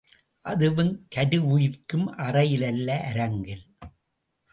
அதுவும் கருவுயிர்க்கும் அறையில் அல்ல அரங்கில்!